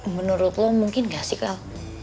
menurut lo mungkin gak sih kak